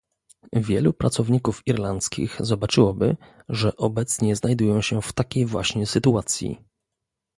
Wielu pracowników irlandzkich zobaczyłoby, że obecnie znajdują się w takiej właśnie sytuacji